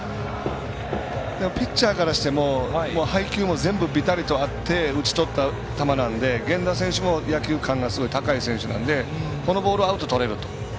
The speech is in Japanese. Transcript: でも、ピッチャーからしても配球も全部びたりと合って打ち取った球なんで源田選手も野球感がすごい高い選手なのでこのボールはアウトとれると。